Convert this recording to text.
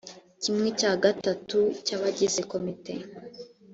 kimwe cya gatatu cy abagize komite